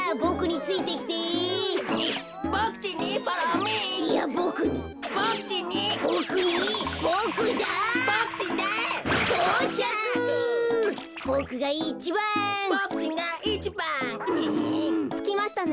つきましたね。